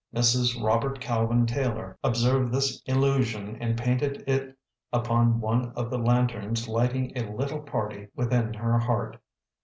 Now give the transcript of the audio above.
Mrs. Robert Calvin Taylor observed this illusion and painted it upon one of the lanterns lighting a little party within her heart.